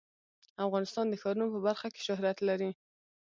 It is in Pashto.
افغانستان د ښارونو په برخه کې شهرت لري.